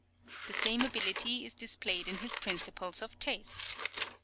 The same ability is displayed in his principles of taste.